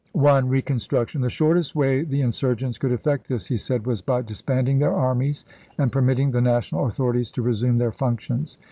I. Beconstrtjctton. — The shortest way the in surgents could effect this, he said, was " by dis banding their armies and permitting the National authorities to resume their functions."